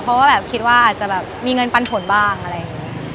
เพราะว่าแบบคิดว่าอาจจะแบบมีเงินปันผลบ้างอะไรอย่างนี้